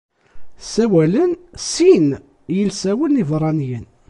Ssawalen sin yilsawen ibeṛṛaniyen.